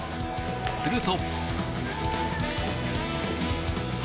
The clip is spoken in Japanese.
すると。